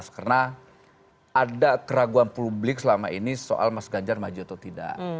karena ada keraguan publik selama ini soal mas ganjar maju atau tidak